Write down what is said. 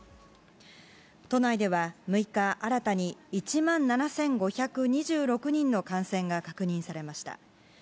都内では６日、新たに１万７５２６人の感染が確認されました。